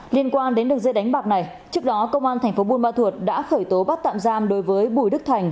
liên quan đến đường dây đánh bạc này trước đó công an tp bumathuot đã khởi tố bắt tạm giam đối với bùi đức thành